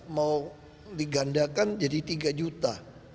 mau digandakan jadi tiga juta